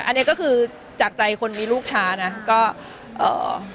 อันนี้ก็คือจากใจคนมีลูกช้านะก็เอ่อ